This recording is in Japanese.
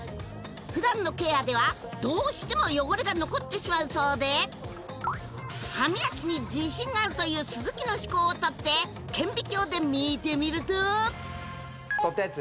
普段のケアではどうしても汚れが残ってしまうそうで歯磨きに自信があるという鈴木の歯垢をとって顕微鏡で見てみるととったやつ